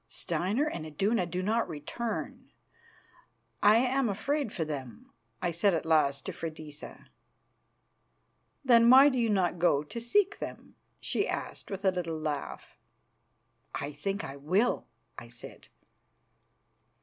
"Steinar and Iduna do not return. I am afraid for them," I said at last to Freydisa. "Then why do you not go to seek them?" she asked with a little laugh. "I think I will," I said.